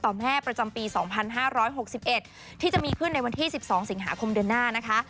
แม่ประจำปี๒๕๖๑ที่จะมีขึ้นในวันที่๑๒สิงหาคมเดือนหน้านะคะ